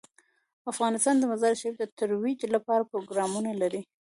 افغانستان د مزارشریف د ترویج لپاره پروګرامونه لري.